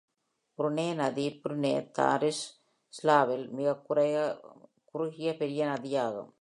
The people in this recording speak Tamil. புருனே நதி புருனே தாருஸ்ஸலாமில் உள்ள மிகக் குறுகிய பெரிய நதியாகும்.